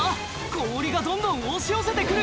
氷がどんどん押し寄せて来る！